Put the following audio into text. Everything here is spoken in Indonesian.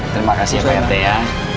terima kasih pak rt ya